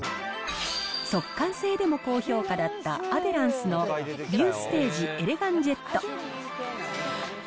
速乾性でも高評価だったアデランスのビューステージエレガンジェット。